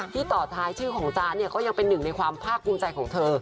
ต่อท้ายชื่อของจ๊ะเนี่ยก็ยังเป็นหนึ่งในความภาคภูมิใจของเธอ